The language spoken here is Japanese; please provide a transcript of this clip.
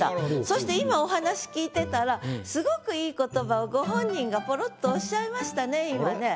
そして今お話聞いてたらすごく良い言葉をご本人がポロッとおっしゃいましたね今ね。